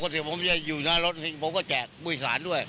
ครับของผมหมดไปดีถ้าผมอยู่หน้ารถผมก็แจกบุยสารด้วย